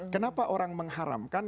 kenapa orang mengharamkan